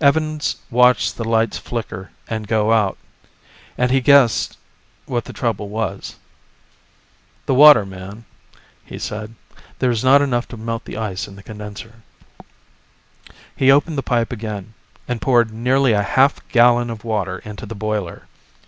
Evans watched the lights flicker and go out, and he guessed what the trouble was. "The water, man," he said, "there is not enough to melt the ice in the condenser." He opened the pipe again and poured nearly a half gallon of water into the boiler.